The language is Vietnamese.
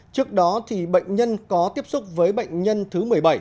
trước đó bệnh nhân có tiếp xúc với bệnh nhân thứ một mươi bảy